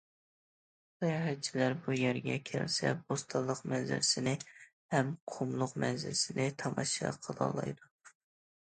ساياھەتچىلەر بۇ يەرگە كەلسە بوستانلىق مەنزىرىسىنى ھەم قۇملۇق مەنزىرىسىنى تاماشا قىلالايدۇ.